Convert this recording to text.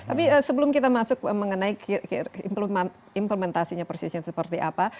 tapi sebelum kita masuk mengenai implementasinya persisnya seperti apa